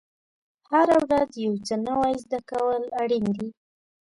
هره ورځ یو څه نوی زده کول اړین دي.